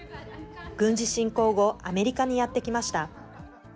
軍事侵攻後、アメリカにやって来ました。